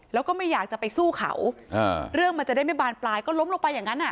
แล้วก็ไม่อยากจะไปสู้เขาอ่าเรื่องมันจะได้ไม่บานปลายก็ล้มลงไปอย่างนั้นอ่ะ